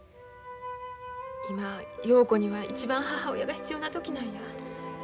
今陽子には一番母親が必要な時なんや。